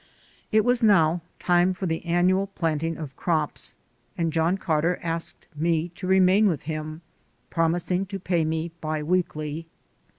It was now time for the annual planting of crops and John Carter asked me to remain with him, promising to pay me bi weekly.